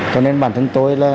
còn nên bản thân tôi là